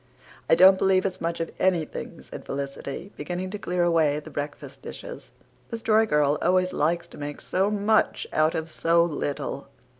"I don't believe it's much of anything," said Felicity, beginning to clear away the breakfast dishes. "The Story Girl always likes to make so much out of so little.